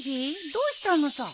どうしたのさ。